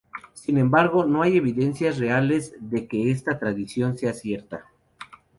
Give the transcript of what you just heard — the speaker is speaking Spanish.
Sin embargo no hay evidencias reales de que esta tradición sea cierta.